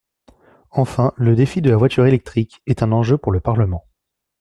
Enfin, le défi de la voiture électrique est un enjeu pour le Parlement.